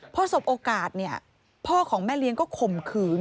พอสบโอกาสเนี่ยพ่อของแม่เลี้ยงก็ข่มขืน